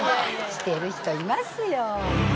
してる人いますよ。